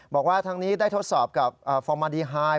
บอกว่าทางนี้ได้ทดสอบกับฟอร์มาดีไฮ